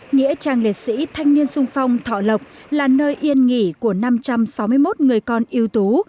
nghĩa trang liệt sĩ thanh niên sung phong thọ lộc là nơi yên nghỉ của năm trăm sáu mươi một người con yếu tố